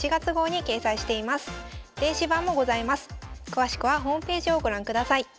詳しくはホームページをご覧ください。